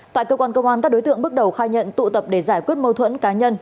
tại cơ quan công an các đối tượng bước đầu khai nhận tụ tập để giải quyết mâu thuẫn cá nhân